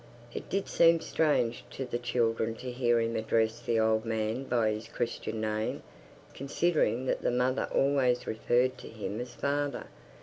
It did seem strange to the children to hear him address the old man by his Christian name considering that the mother always referred to him as "Father."